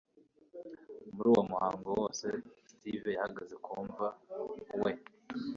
muri uwo muhango wose, steve yahagaze ku mva. we